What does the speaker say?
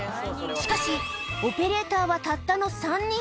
しかし、オペレーターはたったの３人。